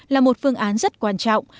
là một phương án rất quan trọng